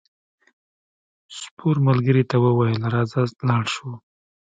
سپور ملګري ته وویل راځه لاړ شو.